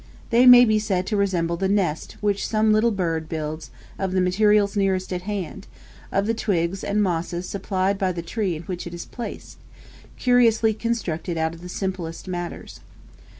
They may be said to resemble the nest which some little bird builds of the materials nearest at hand, of the twigs and mosses supplied by the tree in which it is placed; curiously constructed out of the simplest matters.